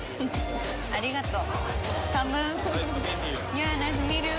ありがとう。